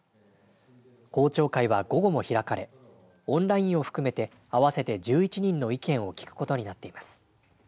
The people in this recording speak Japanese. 公聴会は午後も開かれオンラインを含めて合わせて１１人の意見を聞くことになっています。